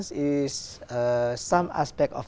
của việt nam